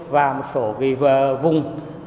và một số vùng